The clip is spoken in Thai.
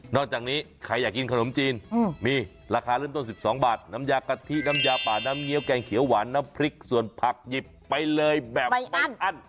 จากนี้ใครอยากกินขนมจีนมีราคาเริ่มต้น๑๒บาทน้ำยากะทิน้ำยาป่าน้ำเงี้ยแกงเขียวหวานน้ำพริกส่วนผักหยิบไปเลยแบบอั้น